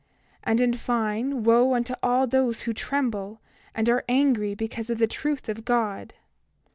28:28 And in fine, wo unto all those who tremble, and are angry because of the truth of God!